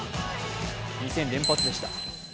２戦連発でした。